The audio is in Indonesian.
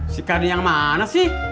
si kardi yang mana sih